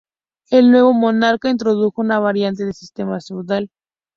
El nuevo monarca introdujo una variante del sistema feudal.